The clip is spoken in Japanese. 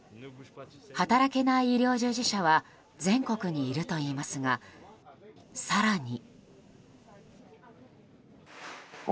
働けない医療従事者は全国にいるといいますが更に。